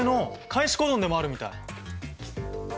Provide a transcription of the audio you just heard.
開始コドンでもあるみたい！